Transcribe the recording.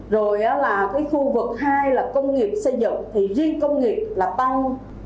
rồi là khu vực hai là công nghiệp xây dựng thì riêng công nghiệp là tăng bảy hai mươi năm